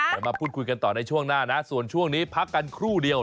เดี๋ยวมาพูดคุยกันต่อในช่วงหน้านะส่วนช่วงนี้พักกันครู่เดียว